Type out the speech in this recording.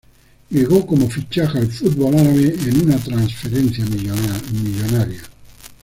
Llegó como fichaje al fútbol árabe, en una transferencia millonaria.